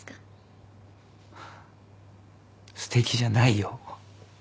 すてきじゃないよ。